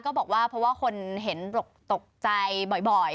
บอกว่าเพราะว่าคนเห็นตกใจบ่อย